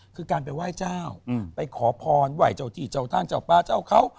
คือการไปไหว้เจ้าไปขอพรไหว้เจ้าที่เจ้าทางเจ้าปลาเจ้าเขา